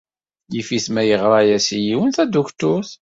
Yif-it ma yeɣra-as yiwen Tadukturt.